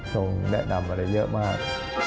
แนะนำอะไรเยอะมาก